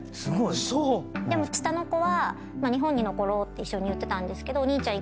嘘⁉下の子は日本に残ろうって一緒に言ってたんですけど。